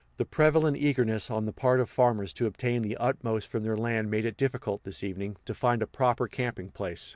The prevalent eagerness on the part of farmers to obtain the utmost from their land made it difficult, this evening, to find a proper camping place.